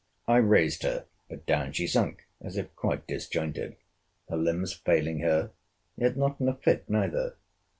I raised her; but down she sunk, as if quite disjointed—her limbs failing her—yet not in a fit neither.